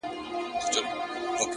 د مسجد لوري _ د مندر او کلیسا لوري _